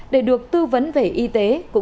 để được tư vấn bệnh nhân vượt qua giai đoạn khó khăn